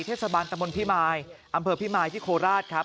เทศบาลตะมนต์พิมายอำเภอพิมายที่โคราชครับ